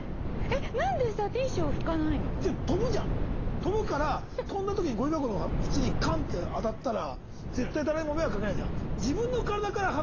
飛ぶから飛んだ時にゴミ箱の方が縁にカンッて当たったら絶対誰にも迷惑かけないじゃん。